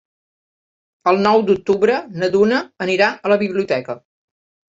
El nou d'octubre na Duna anirà a la biblioteca.